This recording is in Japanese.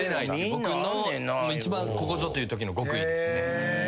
僕の一番ここぞというときの極意ですね。